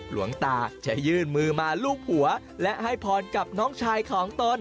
หลวงตาจะยื่นมือมาลูบหัวและให้พรกับน้องชายของตน